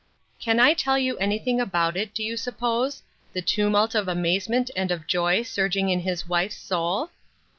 Can I tell you anything about it, do you suppose —' the tumult of amazement and of joy surging in his wife's soul